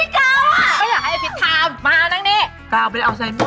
แต่อีกแล้วช่างสอดแค่ออกแทนเทอมกัน